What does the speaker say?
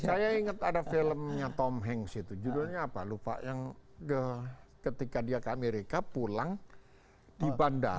saya ingat ada filmnya tom henks itu judulnya apa lupa yang ketika dia ke amerika pulang di bandar